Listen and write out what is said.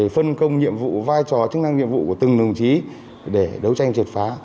phân công nhiệm vụ vai trò chức năng nhiệm vụ của từng đồng chí để đấu tranh triệt phá